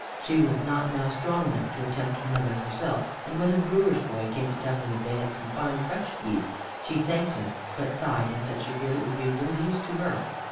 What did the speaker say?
She was not now strong enough to attempt another herself, and when the brewer's boy came to tell her that he had some fine fresh yeast, she thanked him, but sighed and said she feared it would be of little use to her.